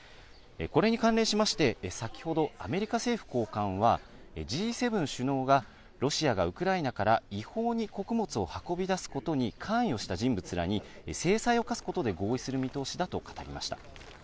これに関連しまして、先ほどアメリカ政府高官は、Ｇ７首脳がロシアがウクライナから違法に穀物を運び出すことに関与した人物らに制裁を科すことで合意する見通しだと語りました。